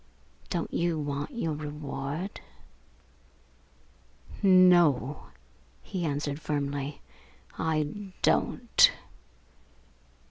Don't you want your reward?" "No," he answered firmly, "I don't!"